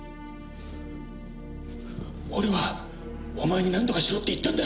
俺はお前になんとかしろって言ったんだ。